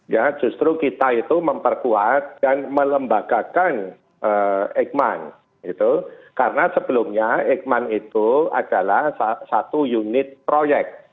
ya justru kita itu memperkuat dan melembagakan eijkman karena sebelumnya eikman itu adalah satu unit proyek